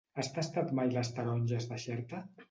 Has tastat mai les taronges de Xerta?